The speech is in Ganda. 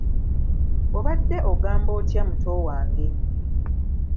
Obadde ogamba otya muto wange?